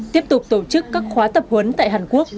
tiếp tục tổ chức các khóa tập huấn tại hàn quốc